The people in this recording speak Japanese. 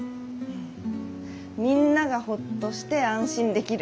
みんながホッとして安心できる。